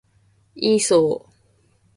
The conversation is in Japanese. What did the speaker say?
イーソー